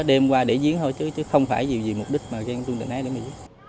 đêm qua để diễn thôi chứ không phải vì mục đích mà ghen tuân đại này